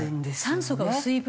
酸素が薄い分